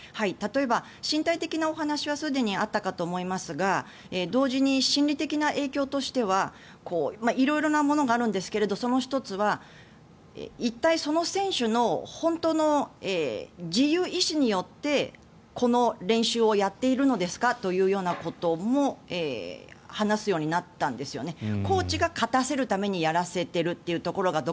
例えば身体的なお話はすでにあったかと思いますが同時に心理的な影響としては色々なものがあるんですがその１つは、一体その選手の本当の自由意思によってこの練習をやっているのですかというようなことも話すようになったんですよね。